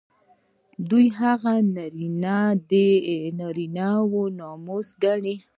دوی هغوی د نارینه وو ناموس ګڼي.